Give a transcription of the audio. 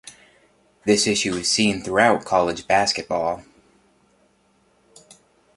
This issue is seen throughout college basketball.